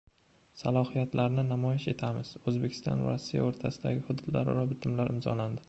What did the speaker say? Salohiyatlarni namoyish etamiz: O‘zbekiston va Rossiya o‘rtasida hududlararo bitimlar imzolandi